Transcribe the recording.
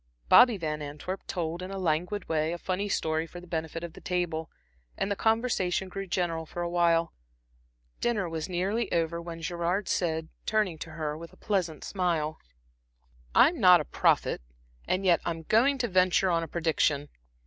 Bobby Van Antwerp told, in a languid way, a funny story for the benefit of the table, and the conversation grew general for awhile. Dinner was nearly over when Gerard said, turning to her with a pleasant smile: "I'm not a prophet, and yet I am going to venture on a prediction.